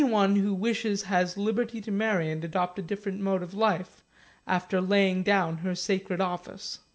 2 6 wishes has liberty to marry and adopt a different mode of life, after laying down her sacred office.